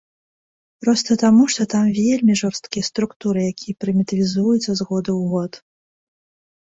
Проста таму, што там вельмі жорсткія структуры, якія прымітывізуюцца з году ў год.